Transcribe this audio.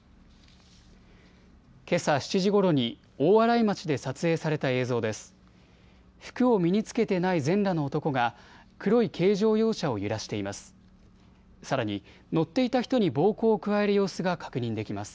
けさ７時ごろに大洗町で撮影された映像です。